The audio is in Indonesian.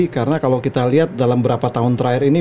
karena kalau kita lihat dalam berapa tahun terakhir ini